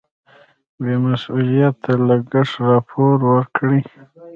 بې مسؤلیته لګښت راپور ورکړي.